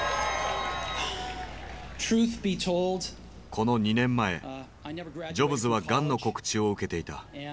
この２年前ジョブズはがんの告知を受けていた。